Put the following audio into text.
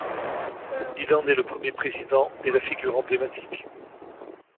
Il en est le premier président et la figure emblématique.